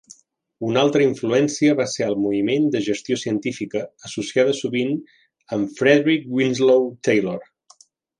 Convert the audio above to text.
Una altra influència va ser el moviment de "Gestió científica", associada sovint amb Frederick Winslow Taylor.